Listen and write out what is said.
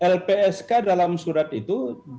lpsk dalam surat itu